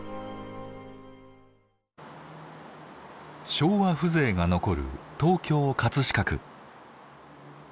昭和風情が残る東京・葛飾区。